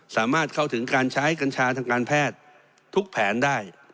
สามารถเข้าถึงการใช้กัญชาทางการแพทย์ทุกแผนได้